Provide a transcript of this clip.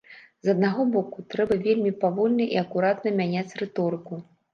З аднаго боку, трэба вельмі павольна і акуратна мяняць рыторыку.